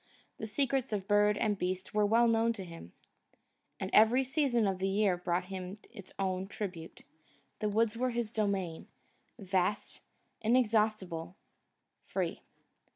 The secrets of bird and beast were known to him; every season of the year brought him its own tribute; the woods were his domain, vast, inexhaustible, free.